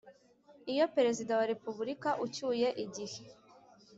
Iyo Perezida wa Repubulika ucyuye igihe